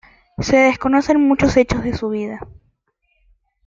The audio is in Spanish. Se desconocen muchos hechos de su vida.